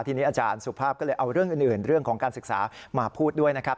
ทีนี้อาจารย์สุภาพก็เลยเอาเรื่องอื่นเรื่องของการศึกษามาพูดด้วยนะครับ